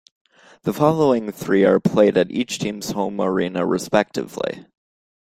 The following three are played at each team's home arena respectively.